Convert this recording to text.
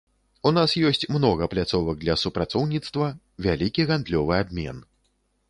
У нас ёсць многа пляцовак для супрацоўніцтва, вялікі гандлёвы абмен.